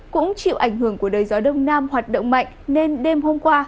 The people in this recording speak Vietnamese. cũng chịu ảnh hưởng của đời gió đông nam hoạt động mạnh nên đêm hôm qua